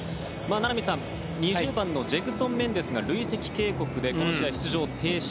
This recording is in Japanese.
名波さん、２０番のジェグソン・メンデスが累積警告でこの試合出場停止。